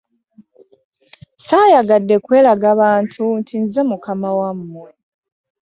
Ssaayagadde kweraga bantu nti nze mukama wammwe.